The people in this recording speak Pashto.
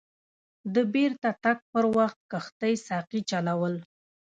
د بیرته تګ پر وخت کښتۍ ساقي چلول.